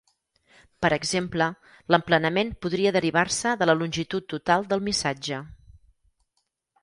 Per exemple, l'emplenament podria derivar-se de la longitud total del missatge.